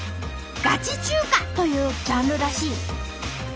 「ガチ中華」というジャンルらしい。